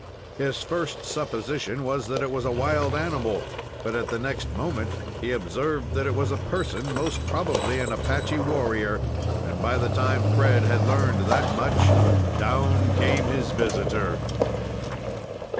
His first supposition was that it was a wild animal, but the next moment he observed that it was a person, most probably an Apache warrior. And by the time Fred had learned that much, down came his visitor.